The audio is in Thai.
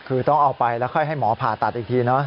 คือต้องเอาไปแล้วค่อยให้หมอผ่าตัดอีกทีเนาะ